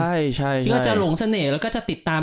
ที่ก็จะหลงเสน่ห์แล้วก็จะติดตาม